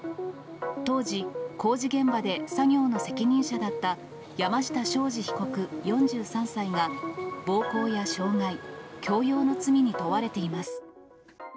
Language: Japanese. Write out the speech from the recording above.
当時、工事現場で作業の責任者だった山下昌司被告４３歳が、暴行や傷害、強要の罪に問われています。